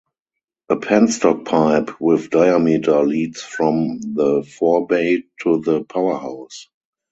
A penstock pipe with diameter leads from the forebay to the powerhouse.